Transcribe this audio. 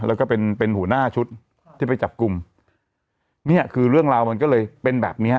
แล้วก็เป็นเป็นหัวหน้าชุดที่ไปจับกลุ่มเนี่ยคือเรื่องราวมันก็เลยเป็นแบบเนี้ย